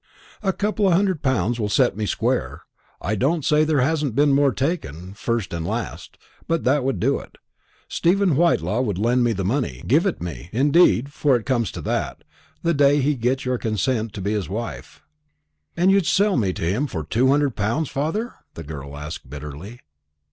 "A couple of hundred pounds will set me square. I don't say there hasn't been more taken, first and last; but that would do it. Stephen Whitelaw would lend me the money give it me, indeed, for it comes to that the day he gets your consent to be his wife." "And you'd sell me to him for two hundred pounds, father?" the girl asked bitterly.